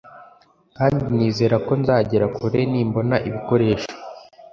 kandi nizera ko nzagera kure nimbona ibikoresho